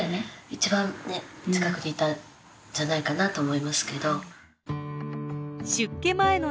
一番ね近くにいたんじゃないかなと思いますけど。